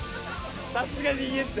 さすがに言えって！